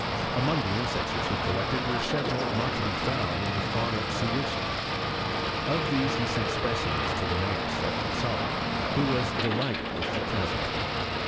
Among the insects which he collected were several aot to be found in the Fauna Suecica. Of these mAe sent specim, enB to Linnffius at Upsala, who was Blrfiehtcd with the present.